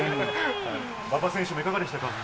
馬場選手もいかがでしたか？